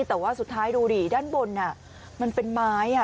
แต่ว่าสุดท้ายดูดิด้านบนมันเป็นไม้